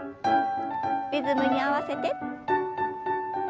リズムに合わせて。